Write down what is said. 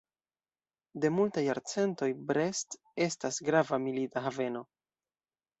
De multaj jarcentoj, Brest estas grava milita haveno.